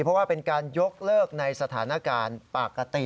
เพราะว่าเป็นการยกเลิกในสถานการณ์ปกติ